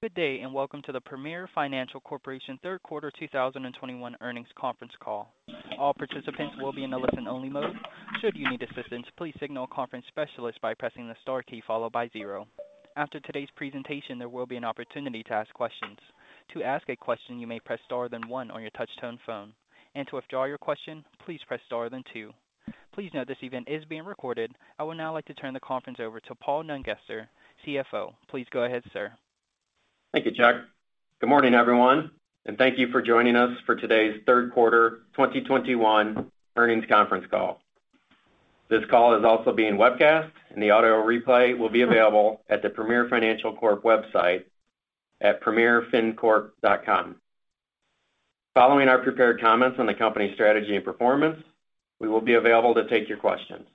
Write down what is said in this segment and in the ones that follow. Good day, and welcome to the Premier Financial Corp third quarter 2021 earnings conference call. All participants will be in a listen-only mode. Should you need assistance, please signal a conference specialist by pressing the star key followed by zero. After today's presentation, there will be an opportunity to ask questions. To ask a question, you may press star then one on your touch-tone phone. To withdraw your question, please press star then two. Please note this event is being recorded. I would now like to turn the conference over to Paul Nungester, CFO. Please go ahead, sir. Thank you, Chuck. Good morning, everyone, and thank you for joining us for today's third quarter 2021 earnings conference call. This call is also being webcast, and the audio replay will be available at the Premier Financial Corp website at premierfincorp.com. Following our prepared comments on the company's strategy and performance, we will be available to take your questions.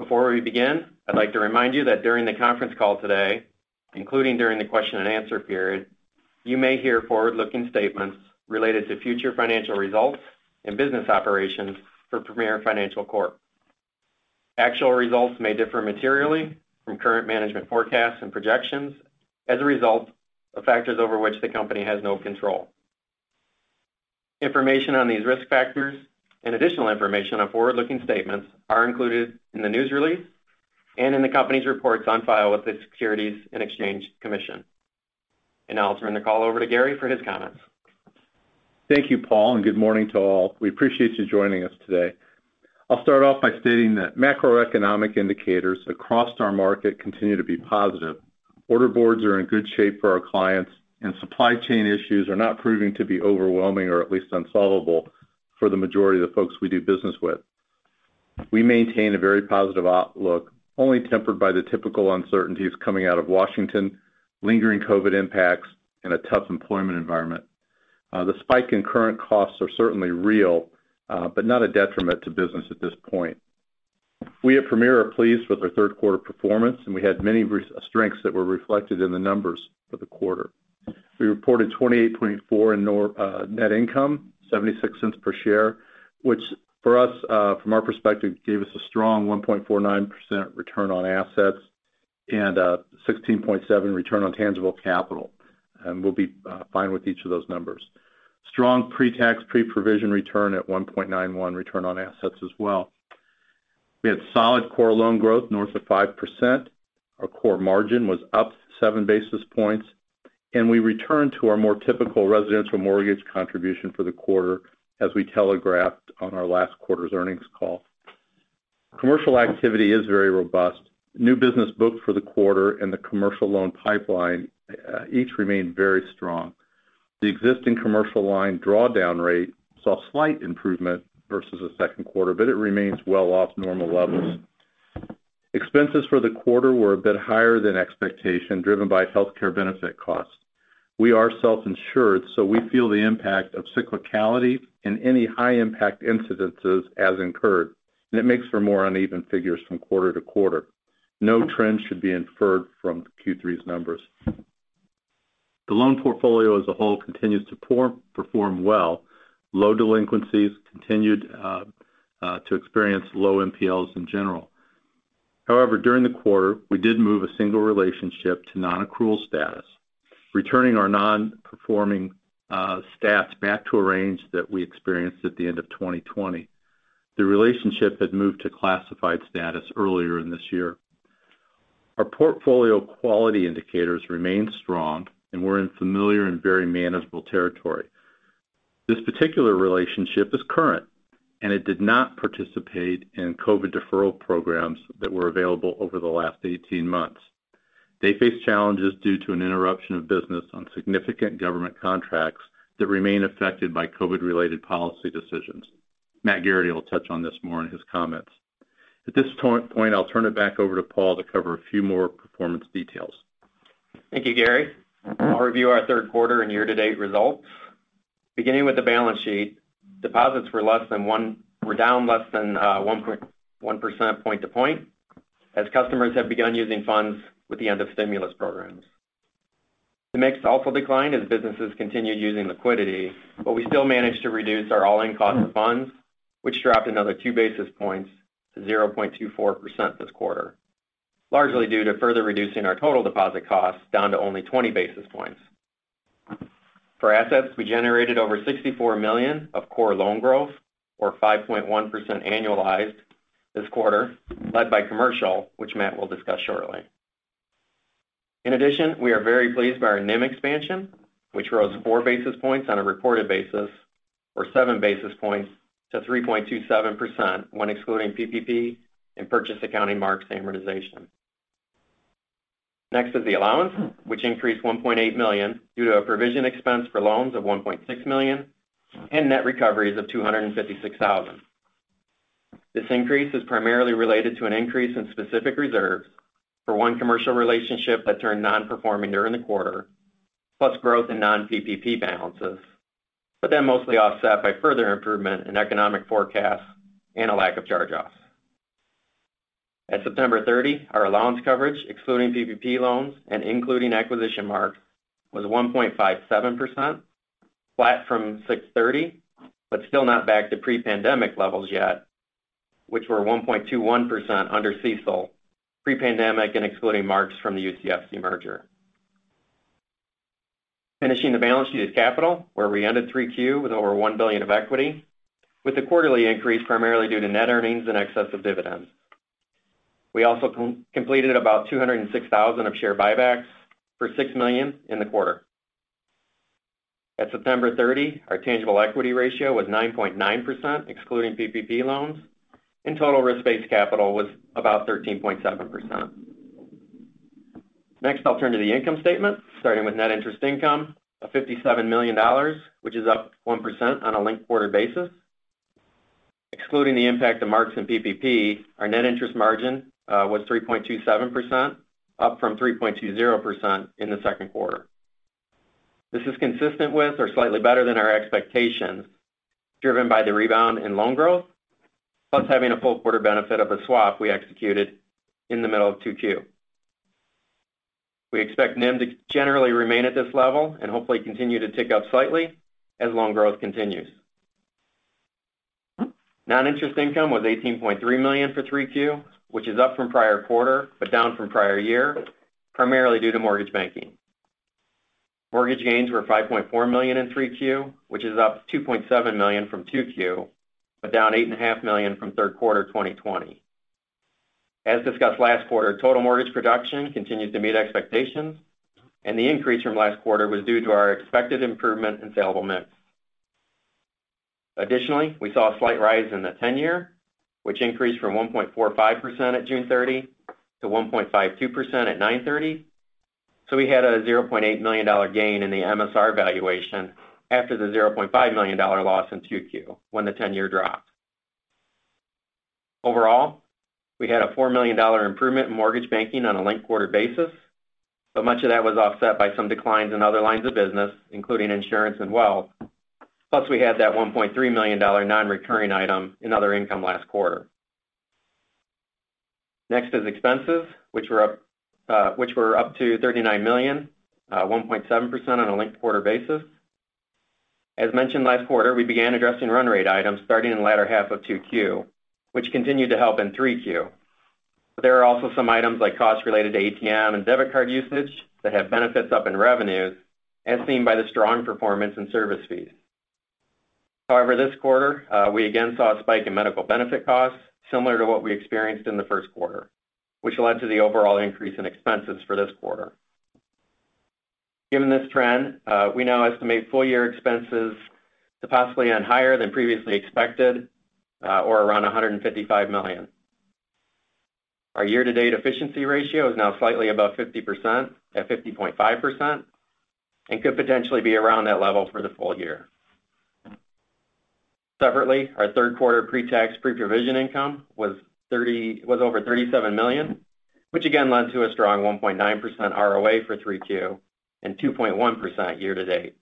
Before we begin, I'd like to remind you that during the conference call today, including during the question and answer period, you may hear forward-looking statements related to future financial results and business operations for Premier Financial Corp. Actual results may differ materially from current management forecasts and projections as a result of factors over which the company has no control. Information on these risk factors and additional information on forward-looking statements are included in the news release and in the company's reports on file with the Securities and Exchange Commission. Now I'll turn the call over to Gary for his comments. Thank you, Paul, and good morning to all. We appreciate you joining us today. I'll start off by stating that macroeconomic indicators across our market continue to be positive. Order boards are in good shape for our clients, and supply chain issues are not proving to be overwhelming or at least unsolvable for the majority of the folks we do business with. We maintain a very positive outlook, only tempered by the typical uncertainties coming out of Washington, lingering COVID impacts, and a tough employment environment. The spike in current costs are certainly real, but not a detriment to business at this point. We at Premier are pleased with our third quarter performance, and we had many strengths that were reflected in the numbers for the quarter. We reported $28.4 million net income, $0.76 per share, which for us, from our perspective, gave us a strong 1.49% return on assets and 16.7% return on tangible capital. We'll be fine with each of those numbers. Strong pre-tax, pre-provision return at 1.91% return on assets as well. We had solid core loan growth north of 5%. Our core margin was up 7 basis points, and we returned to our more typical residential mortgage contribution for the quarter as we telegraphed on our last quarter's earnings call. Commercial activity is very robust. New business booked for the quarter and the commercial loan pipeline each remained very strong. The existing commercial line drawdown rate saw slight improvement versus the second quarter, but it remains well off normal levels. Expenses for the quarter were a bit higher than expectation, driven by healthcare benefit costs. We are self-insured, so we feel the impact of cyclicality and any high-impact incidences as incurred, and it makes for more uneven figures from quarter to quarter. No trends should be inferred from Q3's numbers. The loan portfolio as a whole continues to perform well. Low delinquencies continued to experience low NPLs in general. However, during the quarter, we did move a single relationship to non-accrual status, returning our non-performing stats back to a range that we experienced at the end of 2020. The relationship had moved to classified status earlier in this year. Our portfolio quality indicators remained strong and were in familiar and very manageable territory. This particular relationship is current, and it did not participate in COVID deferral programs that were available over the last eighteen months. They face challenges due to an interruption of business on significant government contracts that remain affected by COVID-related policy decisions. Matt Garrity will touch on this more in his comments. At this point, I'll turn it back over to Paul to cover a few more performance details. Thank you, Gary. I'll review our third quarter and year-to-date results. Beginning with the balance sheet, deposits were down less than one percentage point to point as customers have begun using funds with the end of stimulus programs. The mix also declined as businesses continued using liquidity, but we still managed to reduce our all-in cost of funds, which dropped another 2 basis points to 0.24% this quarter, largely due to further reducing our total deposit costs down to only 20 basis points. For assets, we generated over $64 million of core loan growth or 5.1% annualized this quarter, led by commercial, which Matt will discuss shortly. In addition, we are very pleased by our NIM expansion, which rose 4 basis points on a reported basis or 7 basis points to 3.27% when excluding PPP and purchase accounting mark amortization. Next is the allowance, which increased $1.8 million due to a provision expense for loans of $1.6 million and net recoveries of $256,000. This increase is primarily related to an increase in specific reserves for one commercial relationship that turned non-performing during the quarter, plus growth in non-PPP balances, but then mostly offset by further improvement in economic forecasts and a lack of charge-offs. At September 30, our allowance coverage, excluding PPP loans and including acquisition marks, was 1.57%, flat from June 30, but still not back to pre-pandemic levels yet. Which were 1.21% under CECL, pre-pandemic and excluding marks from the UCFC merger. Finishing the balance sheet is capital, where we ended 3Q with over $1 billion of equity, with the quarterly increase primarily due to net earnings in excess of dividends. We also completed about 206,000 of share buybacks for $6 million in the quarter. At September 30, our tangible equity ratio was 9.9%, excluding PPP loans, and total risk-based capital was about 13.7%. Next, I'll turn to the income statement, starting with net interest income of $57 million, which is up 1% on a linked-quarter basis. Excluding the impact of marks and PPP, our net interest margin was 3.27%, up from 3.20% in the second quarter. This is consistent with or slightly better than our expectations, driven by the rebound in loan growth, plus having a full quarter benefit of a swap we executed in the middle of 2Q. We expect NIM to generally remain at this level and hopefully continue to tick up slightly as loan growth continues. Non-interest income was $18.3 million for 3Q, which is up from prior quarter but down from prior year, primarily due to mortgage banking. Mortgage gains were $5.4 million in 3Q, which is up $2.7 million from 2Q, but down $8.5 million from third quarter 2020. As discussed last quarter, total mortgage production continues to meet expectations, and the increase from last quarter was due to our expected improvement in saleable mix. Additionally, we saw a slight rise in the 10-year, which increased from 1.45% at June 30 to 1.52% at September 30. We had a $0.8 million gain in the MSR valuation after the $0.5 million loss in 2Q when the 10-year dropped. Overall, we had a $4 million improvement in mortgage banking on a linked-quarter basis, but much of that was offset by some declines in other lines of business, including insurance and wealth, plus we had that $1.3 million non-recurring item in other income last quarter. Next is expenses, which were up to $39 million, 1.7% on a linked-quarter basis. As mentioned last quarter, we began addressing run rate items starting in the latter half of 2Q, which continued to help in 3Q. There are also some items like costs related to ATM and debit card usage that have benefits up in revenues, as seen by the strong performance in service fees. However, this quarter, we again saw a spike in medical benefit costs similar to what we experienced in the first quarter, which led to the overall increase in expenses for this quarter. Given this trend, we now estimate full year expenses to possibly end higher than previously expected, or around $155 million. Our year-to-date efficiency ratio is now slightly above 50% at 50.5% and could potentially be around that level for the full year. Separately, our third quarter pre-tax, pre-provision income was over $37 million, which again led to a strong 1.9% ROA for Q3 and 2.1% year to date.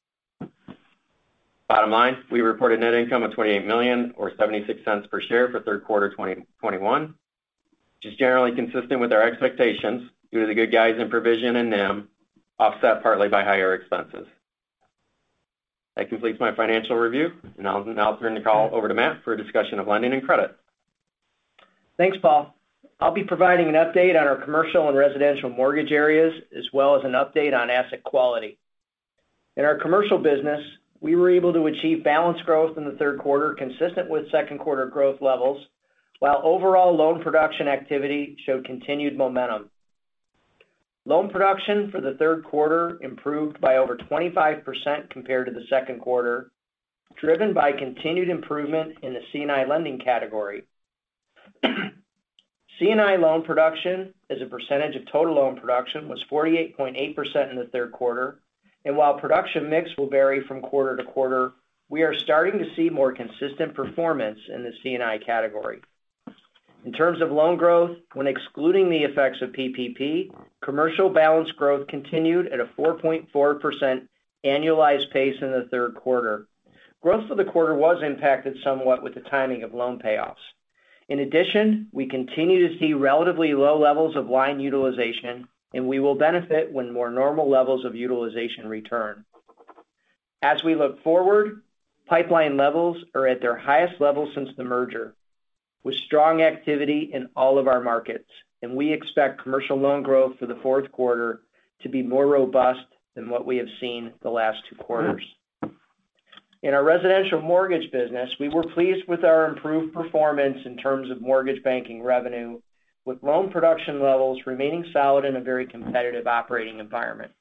Bottom line, we reported net income of $28 million or $0.76 per share for Q3 2021, which is generally consistent with our expectations due to the good guidance and provision in NIM, offset partly by higher expenses. That completes my financial review, and I'll now turn the call over to Matt for a discussion of lending and credit. Thanks, Paul. I'll be providing an update on our commercial and residential mortgage areas, as well as an update on asset quality. In our commercial business, we were able to achieve balanced growth in the third quarter consistent with second quarter growth levels, while overall loan production activity showed continued momentum. Loan production for the third quarter improved by over 25% compared to the second quarter, driven by continued improvement in the C&I lending category. C&I loan production as a percentage of total loan production was 48.8% in the third quarter. While production mix will vary from quarter to quarter, we are starting to see more consistent performance in the C&I category. In terms of loan growth, when excluding the effects of PPP, commercial balance growth continued at a 4.4% annualized pace in the third quarter. Growth for the quarter was impacted somewhat with the timing of loan payoffs. In addition, we continue to see relatively low levels of line utilization, and we will benefit when more normal levels of utilization return. As we look forward, pipeline levels are at their highest level since the merger with strong activity in all of our markets, and we expect commercial loan growth for the fourth quarter to be more robust than what we have seen the last two quarters. In our residential mortgage business, we were pleased with our improved performance in terms of mortgage banking revenue, with loan production levels remaining solid in a very competitive operating environment.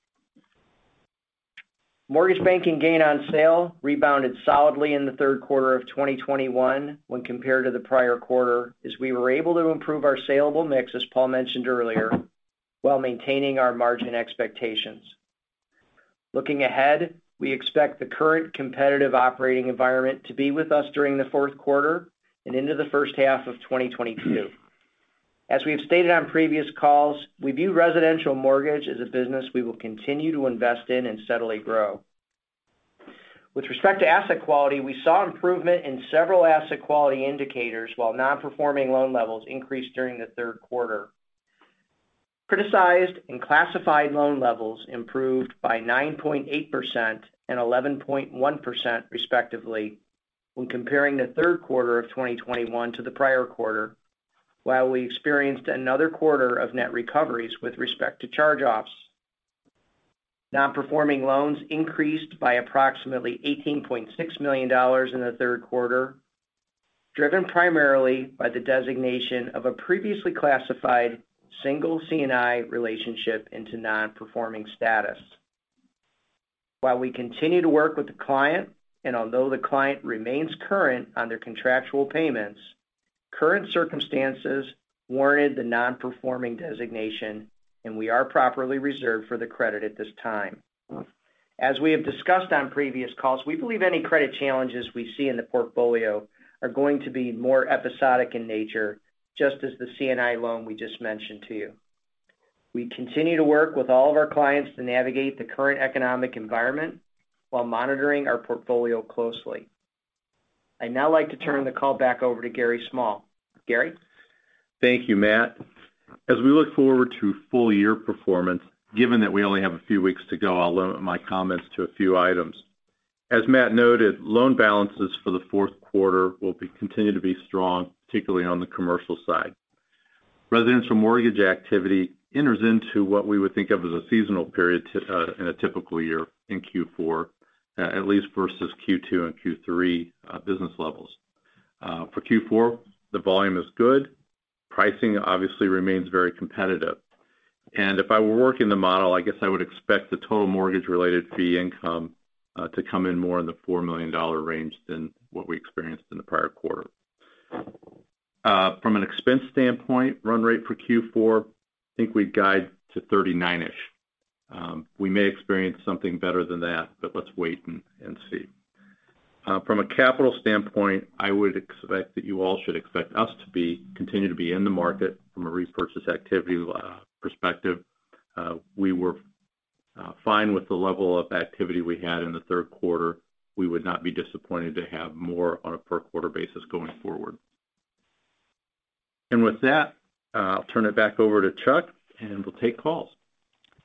Mortgage banking gain on sale rebounded solidly in the third quarter of 2021 when compared to the prior quarter, as we were able to improve our saleable mix, as Paul mentioned earlier, while maintaining our margin expectations. Looking ahead, we expect the current competitive operating environment to be with us during the fourth quarter and into the first half of 2022. As we have stated on previous calls, we view residential mortgage as a business we will continue to invest in and steadily grow. With respect to asset quality, we saw improvement in several asset quality indicators while non-performing loan levels increased during the third quarter. Criticized and classified loan levels improved by 9.8% and 11.1% respectively when comparing the third quarter of 2021 to the prior quarter, while we experienced another quarter of net recoveries with respect to charge-offs. Non-performing loans increased by approximately $18.6 million in the third quarter, driven primarily by the designation of a previously classified single C&I relationship into non-performing status. While we continue to work with the client, and although the client remains current on their contractual payments, current circumstances warranted the non-performing designation, and we are properly reserved for the credit at this time. As we have discussed on previous calls, we believe any credit challenges we see in the portfolio are going to be more episodic in nature, just as the C&I loan we just mentioned to you. We continue to work with all of our clients to navigate the current economic environment while monitoring our portfolio closely. I'd now like to turn the call back over to Gary Small. Gary? Thank you, Matt. As we look forward to full year performance, given that we only have a few weeks to go, I'll limit my comments to a few items. As Matt noted, loan balances for the fourth quarter will continue to be strong, particularly on the commercial side. Residential mortgage activity enters into what we would think of as a seasonal period in a typical year in Q4, at least versus Q2 and Q3, business levels. For Q4, the volume is good. Pricing obviously remains very competitive. If I were working the model, I guess I would expect the total mortgage-related fee income to come in more in the $4 million range than what we experienced in the prior quarter. From an expense standpoint, run rate for Q4, I think we'd guide to 39-ish%. We may experience something better than that, but let's wait and see. From a capital standpoint, I would expect that you all should expect us to continue to be in the market from a repurchase activity perspective. We were fine with the level of activity we had in the third quarter. We would not be disappointed to have more on a per quarter basis going forward. With that, I'll turn it back over to Chuck, and we'll take calls.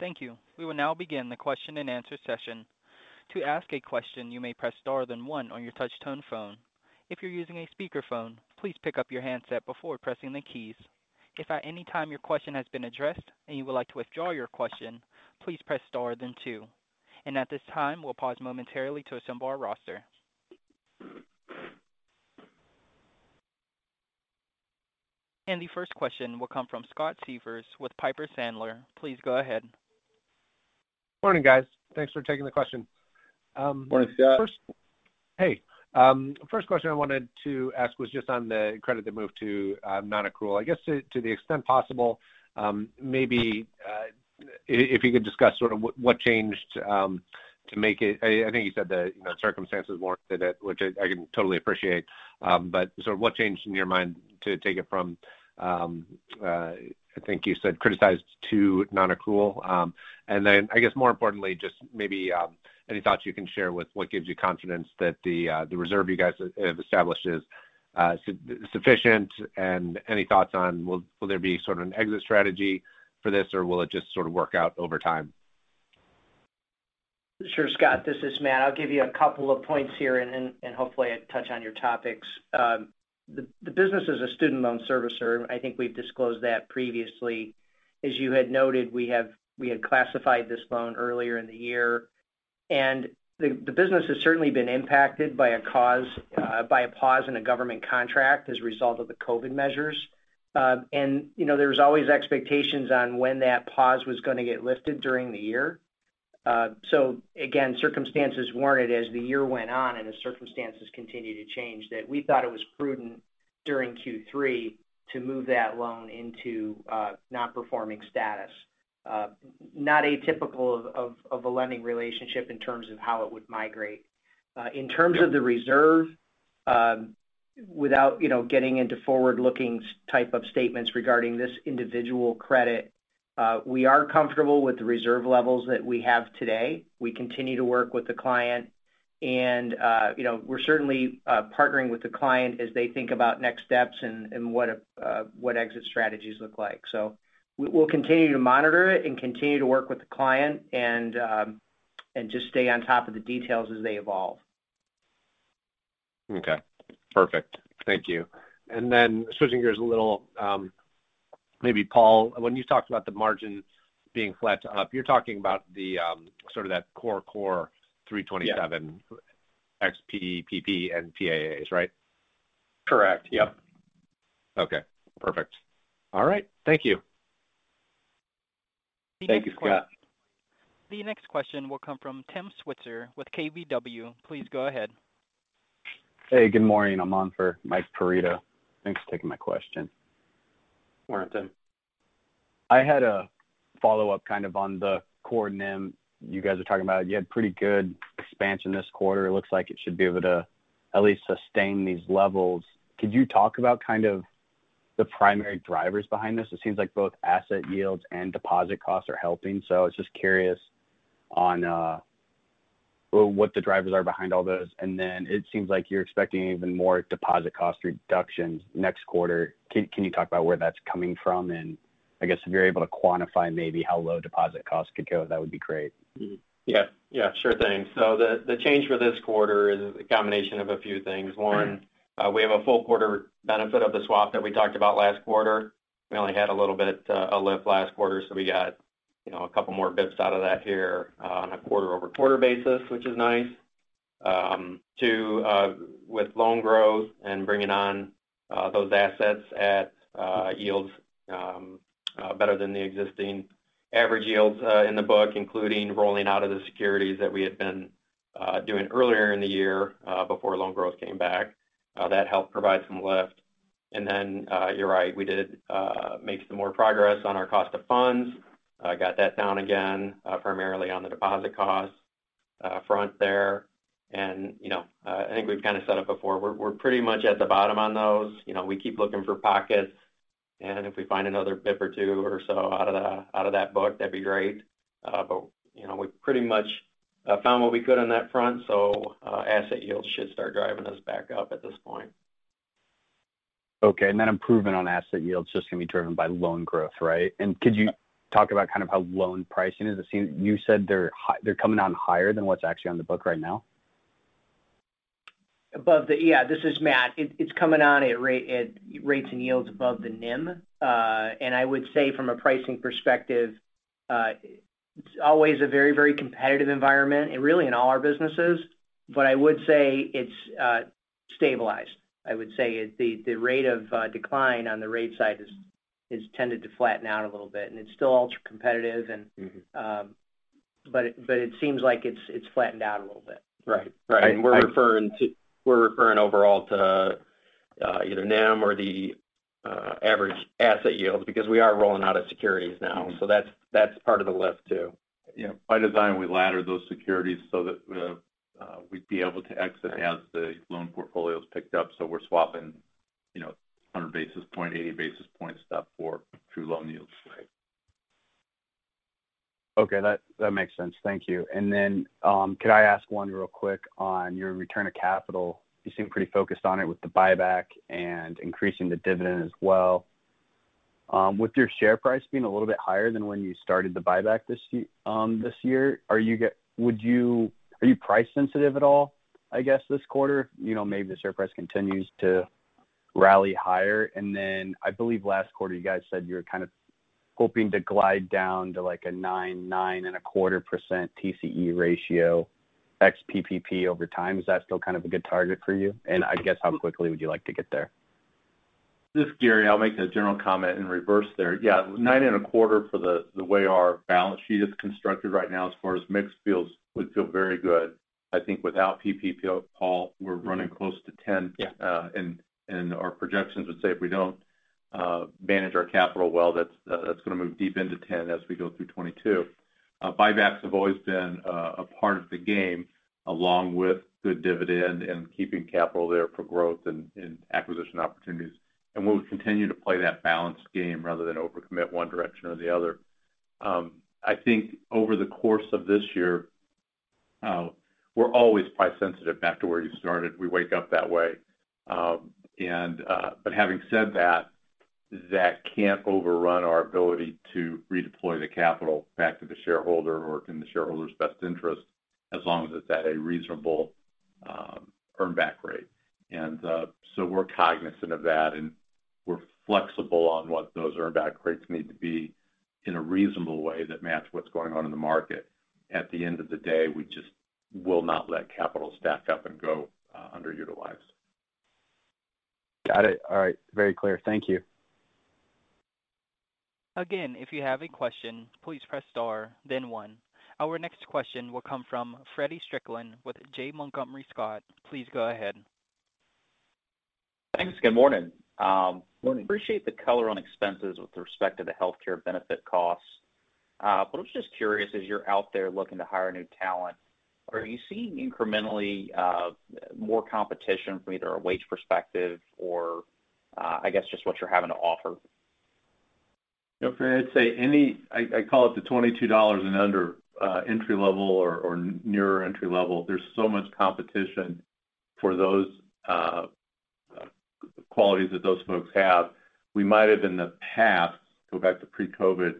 Thank you. We will now begin the question-and-answer session. To ask a question, you may press star then one on your touch-tone phone. If you're using a speakerphone, please pick up your handset before pressing the keys. If at any time your question has been addressed and you would like to withdraw your question, please press star then two. At this time, we'll pause momentarily to assemble our roster. The first question will come from Scott Siefers with Piper Sandler. Please go ahead. Morning, guys. Thanks for taking the question. Morning, Scott. First question I wanted to ask was just on the credit that moved to non-accrual. I guess to the extent possible, maybe if you could discuss sort of what changed to make it. I think you said the, you know, circumstances warranted it, which I can totally appreciate. Sort of what changed in your mind to take it from, I think you said criticized to non-accrual. I guess more importantly, just maybe any thoughts you can share on what gives you confidence that the reserve you guys have established is sufficient and any thoughts on will there be sort of an exit strategy for this or will it just sort of work out over time? Sure, Scott, this is Matt. I'll give you a couple of points here and hopefully it touch on your topics. The business is a student loan servicer. I think we've disclosed that previously. As you had noted, we had classified this loan earlier in the year. The business has certainly been impacted by a pause in a government contract as a result of the COVID measures. You know, there was always expectations on when that pause was gonna get lifted during the year. So again, circumstances warranted as the year went on and the circumstances continued to change, that we thought it was prudent during Q3 to move that loan into non-performing status. Not atypical of a lending relationship in terms of how it would migrate. In terms of the reserve, without you know getting into forward-looking type of statements regarding this individual credit, we are comfortable with the reserve levels that we have today. We continue to work with the client and you know we're certainly partnering with the client as they think about next steps and what exit strategies look like. We'll continue to monitor it and continue to work with the client and just stay on top of the details as they evolve. Okay. Perfect. Thank you. Switching gears a little, maybe Paul, when you talked about the margin being flat to up, you're talking about the sort of that core 327- Yeah. ex-PPP NPAs, right? Correct. Yep. Okay, perfect. All right. Thank you. Thank you, Scott. The next question will come from Tim Switzer with KBW. Please go ahead. Hey, good morning. I'm on for Mike Perito. Thanks for taking my question. Morning, Tim. I had a follow-up kind of on the core NIM you guys are talking about. You had pretty good expansion this quarter. It looks like it should be able to at least sustain these levels. Could you talk about kind of the primary drivers behind this? It seems like both asset yields and deposit costs are helping. I was just curious on, Well, what the drivers are behind all those. Then it seems like you're expecting even more deposit cost reductions next quarter. Can you talk about where that's coming from? I guess if you're able to quantify maybe how low deposit costs could go, that would be great. Yeah. Yeah, sure thing. The change for this quarter is a combination of a few things. One, we have a full quarter benefit of the swap that we talked about last quarter. We only had a little bit, a lift last quarter, so we got, you know, a couple more bits out of that here, on a quarter-over-quarter basis, which is nice. Two, with loan growth and bringing on those assets at yields better than the existing average yields in the book, including rolling out of the securities that we had been doing earlier in the year before loan growth came back. That helped provide some lift. And then, you're right, we did make some more progress on our cost of funds. Got that down again, primarily on the deposit cost front there. You know, I think we've kind of said it before, we're pretty much at the bottom on those. You know, we keep looking for pockets, and if we find another basis point or two or so out of that book, that'd be great. You know, we've pretty much found what we could on that front, so asset yields should start driving us back up at this point. Okay. That improvement on asset yield is just going to be driven by loan growth, right? Yeah. Could you talk about kind of how loan pricing is? You said they're coming on higher than what's actually on the book right now. Yeah, this is Matt. It's coming on at rates and yields above the NIM. I would say from a pricing perspective, it's always a very, very competitive environment and really in all our businesses, but I would say it's stabilized. I would say it's the rate of decline on the rate side has tended to flatten out a little bit. It's still ultra-competitive and Mm-hmm. It seems like it's flattened out a little bit. Right. Right. I- We're referring overall to either NIM or the average asset yield because we are rolling out of securities now. Mm-hmm. That's part of the lift too. Yeah. By design, we ladder those securities so that we'd be able to exit. Right... as the loan portfolios picked up. We're swapping, you know, 100 basis points, 80 basis points stuff for true loan yields. Right. Okay. That makes sense. Thank you. Could I ask one real quick on your return of capital? You seem pretty focused on it with the buyback and increasing the dividend as well. With your share price being a little bit higher than when you started the buyback this year, are you price sensitive at all, I guess, this quarter? You know, maybe the share price continues to rally higher. I believe last quarter you guys said you were kind of hoping to glide down to like a 9%-9.25% TCE ratio ex PPP over time. Is that still kind of a good target for you? How quickly would you like to get there? This is Gary. I'll make the general comment in reverse there. Yeah. 9.25% for the way our balance sheet is constructed right now as far as mix feels, would feel very good. I think without PPP, Paul, we're running close to 10%. Yeah. Our projections would say if we don't manage our capital well, that's going to move deep into 10 as we go through 2022. Buybacks have always been a part of the game along with the dividend and keeping capital there for growth and acquisition opportunities. We'll continue to play that balanced game rather than overcommit one direction or the other. I think over the course of this year, we're always price sensitive back to where you started. We wake up that way. But having said that can't overrun our ability to redeploy the capital back to the shareholder or in the shareholder's best interest as long as it's at a reasonable earn back rate. We're cognizant of that, and we're flexible on what those earn back rates need to be in a reasonable way that match what's going on in the market. At the end of the day, we just will not let capital stack up and go underutilized. Got it. All right. Very clear. Thank you. Again, if you have a question, please press star then one. Our next question will come from Feddie Strickland with Janney Montgomery Scott. Please go ahead. Thanks. Good morning. Morning. Appreciate the color on expenses with respect to the healthcare benefit costs. I was just curious, as you're out there looking to hire new talent, are you seeing incrementally more competition from either a wage perspective or, I guess just what you're having to offer? You know, Feddie, I'd say I call it the $22 and under, entry level or near entry level. There's so much competition for those qualities that those folks have. We might have in the past, go back to pre-COVID,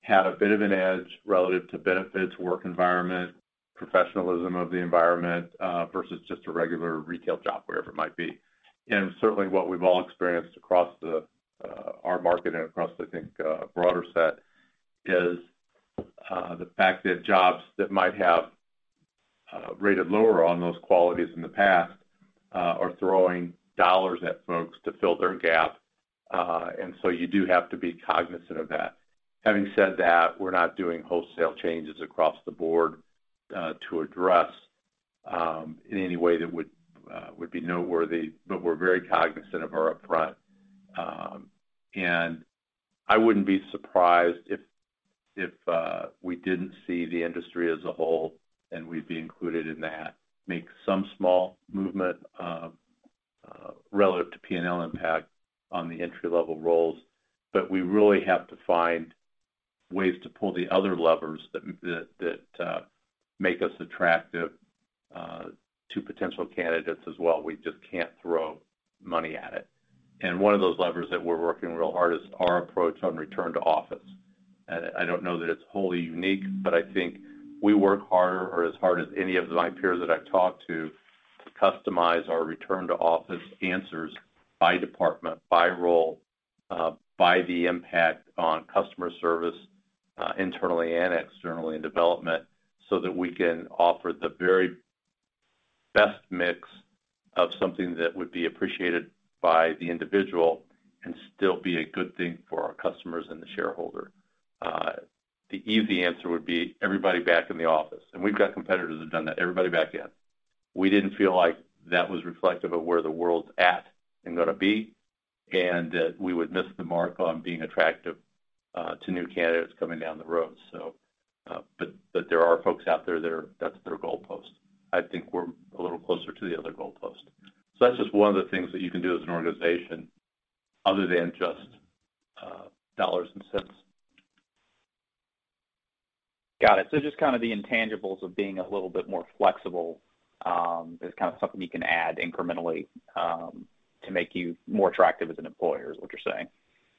had a bit of an edge relative to benefits, work environment, professionalism of the environment, versus just a regular retail job, wherever it might be. Certainly what we've all experienced across our market and across, I think, a broader set is the fact that jobs that might have rated lower on those qualities in the past are throwing dollars at folks to fill their gap. You do have to be cognizant of that. Having said that, we're not doing wholesale changes across the board to address in any way that would be noteworthy, but we're very cognizant of our upfront. I wouldn't be surprised if we didn't see the industry as a whole, and we'd be included in that, make some small movement relative to P&L impact on the entry-level roles. We really have to find ways to pull the other levers that make us attractive to potential candidates as well. We just can't throw money at it. One of those levers that we're working real hard is our approach on return to office. I don't know that it's wholly unique, but I think we work hard or as hard as any of my peers that I've talked to customize our return to office answers by department, by role, by the impact on customer service, internally and externally in development so that we can offer the very best mix of something that would be appreciated by the individual and still be a good thing for our customers and the shareholder. The easy answer would be everybody back in the office, and we've got competitors that have done that. Everybody back in. We didn't feel like that was reflective of where the world's at and gonna be, and that we would miss the mark on being attractive to new candidates coming down the road. But there are folks out there that are that's their goalpost. I think we're a little closer to the other goalpost. That's just one of the things that you can do as an organization other than just dollars and cents. Got it. Just kind of the intangibles of being a little bit more flexible, is kind of something you can add incrementally, to make you more attractive as an employer, is what you're saying?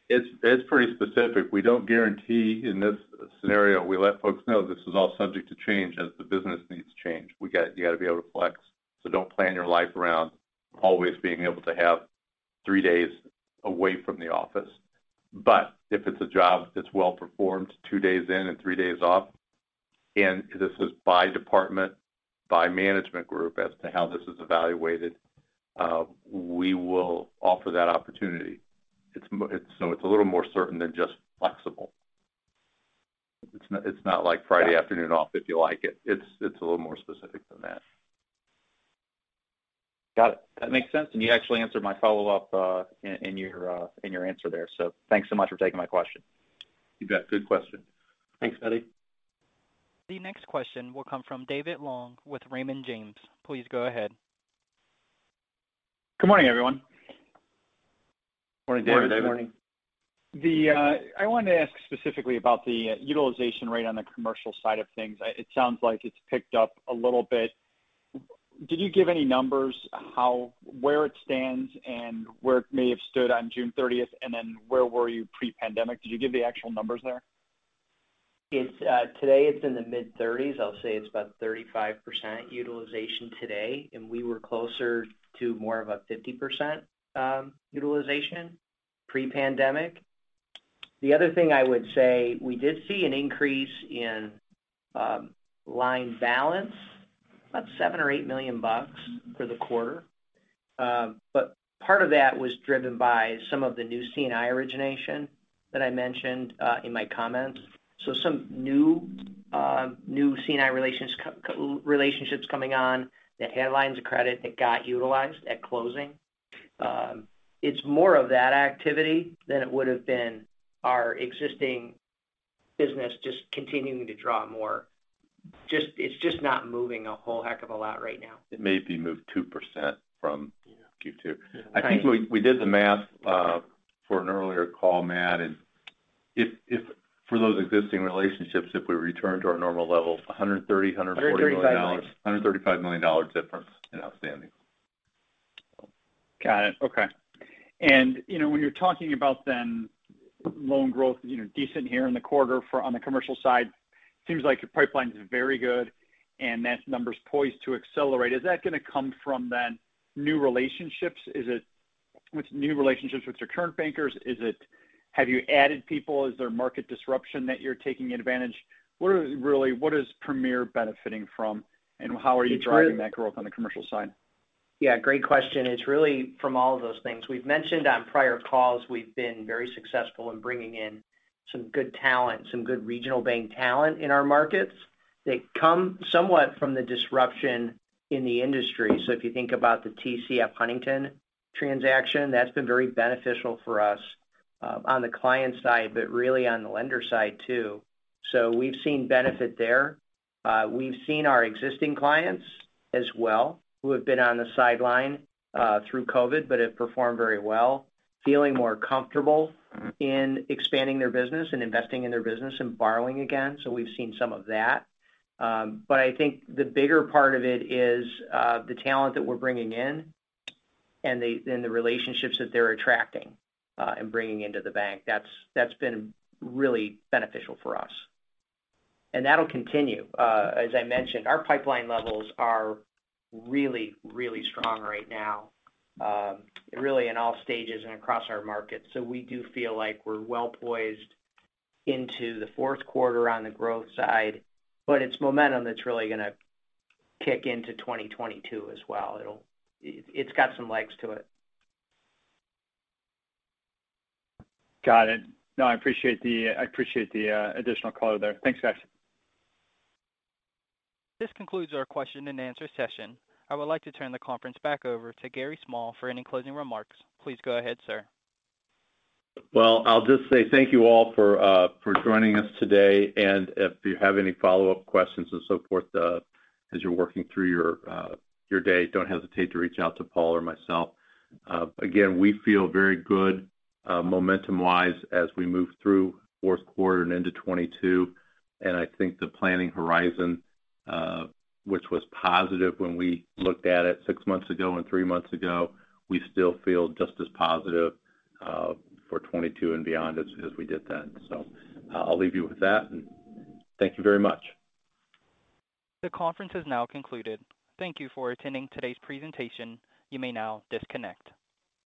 It's pretty specific. We don't guarantee in this scenario. We let folks know this is all subject to change as the business needs change. You got to be able to flex, so don't plan your life around always being able to have three days away from the office. If it's a job that's well-performed, two days in and three days off, and this is by department, by management group as to how this is evaluated, we will offer that opportunity. It's a little more certain than just flexible. It's not like Friday afternoon off if you like it. It's a little more specific than that. Got it. That makes sense. You actually answered my follow-up, in your answer there. Thanks so much for taking my question. You bet. Good question. Thanks, Feddie. The next question will come from David Long with Raymond James. Please go ahead. Good morning, everyone. Morning, David. Morning, David. I wanted to ask specifically about the utilization rate on the commercial side of things. It sounds like it's picked up a little bit. Did you give any numbers where it stands and where it may have stood on June 30th, and then where were you pre-pandemic? Did you give the actual numbers there? It's today it's in the mid-30s. I'll say it's about 35% utilization today, and we were closer to more of a 50% utilization pre-pandemic. The other thing I would say, we did see an increase in line balance, about $7 million or $8 million for the quarter. Part of that was driven by some of the new C&I origination that I mentioned in my comments. Some new C&I relationships coming on that had lines of credit that got utilized at closing. It's more of that activity than it would have been our existing business just continuing to draw more. It's just not moving a whole heck of a lot right now. It may be moved 2% from Q2. I think we did the math for an earlier call, Matt, and if for those existing relationships, if we return to our normal level, $130 million-$140 million. $135 million. $135 million difference in outstanding. Got it. Okay. You know, when you're talking about the loan growth, you know, decent here in the quarter for, on the commercial side, seems like your pipeline is very good and that number's poised to accelerate. Is that gonna come from the new relationships? Is it with new relationships with your current bankers? Is it have you added people? Is there market disruption that you're taking advantage? What is Premier benefiting from, and how are you driving that growth on the commercial side? Great question. It's really from all of those things. We've mentioned on prior calls, we've been very successful in bringing in some good talent, some good regional bank talent in our markets that come somewhat from the disruption in the industry. If you think about the TCF Huntington transaction, that's been very beneficial for us on the client side, but really on the lender side too. We've seen benefit there. We've seen our existing clients as well, who have been on the sidelines through COVID, but have performed very well, feeling more comfortable in expanding their business and investing in their business and borrowing again. We've seen some of that. But I think the bigger part of it is the talent that we're bringing in and the relationships that they're attracting and bringing into the bank. That's been really beneficial for us. That'll continue. As I mentioned, our pipeline levels are really strong right now, really in all stages and across our markets. We do feel like we're well poised into the fourth quarter on the growth side, but it's momentum that's really gonna kick into 2022 as well. It's got some legs to it. Got it. No, I appreciate the additional color there. Thanks, guys. This concludes our question and answer session. I would like to turn the conference back over to Gary Small for any closing remarks. Please go ahead, sir. Well, I'll just say thank you all for joining us today. If you have any follow-up questions and so forth, as you're working through your day, don't hesitate to reach out to Paul or myself. Again, we feel very good momentum-wise as we move through fourth quarter and into 2022. I think the planning horizon, which was positive when we looked at it six months ago and three months ago, we still feel just as positive for 2022 and beyond as we did then. I'll leave you with that, and thank you very much. The conference has now concluded. Thank you for attending today's presentation. You may now disconnect.